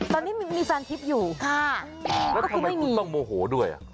ตอนนี้มีซานทิพย์อยู่ค่ะแล้วทำไมคุณต้องโมโหด้วยอ่ะ